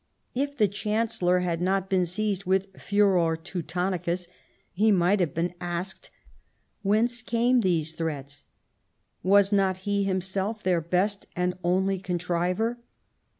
If the Chancellor had not been seized with furor Teutonicus, he might have been asked whence came these threats. ... Was not he himself their best and only contriver